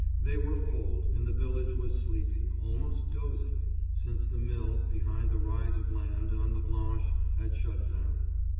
They were old, and the village was sleepy, almost dozing, since the mill, behind the rise of land, on the Blanche had shut down.